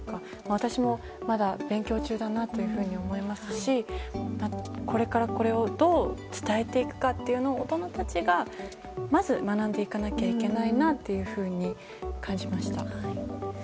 私もまだ勉強中だなというふうに思いますしこれから、これをどう伝えていくのか大人たちがまず学んでいかなきゃいけないなと感じました。